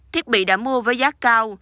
thiết bị đã mua với giá cao